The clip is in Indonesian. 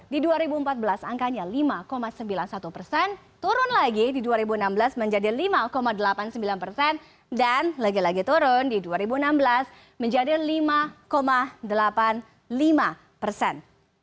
di dua ribu empat belas angkanya lima sembilan puluh satu persen turun lagi di dua ribu enam belas menjadi lima delapan puluh sembilan persen dan lagi lagi turun di dua ribu enam belas menjadi lima delapan puluh lima persen